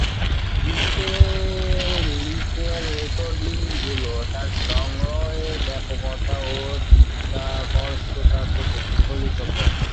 ইসেরলিসের রেকর্ডিংগুলো তার সংগ্রহের ব্যাপকতা ও চিত্তাকর্ষকতাকে প্রতিফলিত করে।